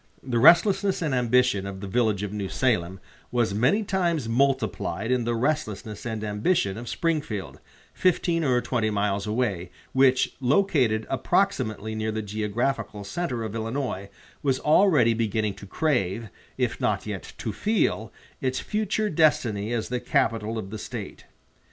The restlessness and ambition of the village of New Salem was many times multiplied in the restlessness and ambition of Springfield, fifteen or twenty miles away, which, located approximately near the geographical center of Illinois, was already beginning to crave, if not yet to feel, its future destiny as the capital of the State.